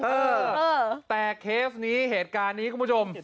เออแต่เคสนี้เหตุการณ์นี้คุณผู้ชม